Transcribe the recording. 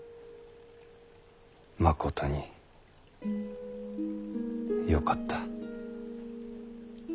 まことによかった。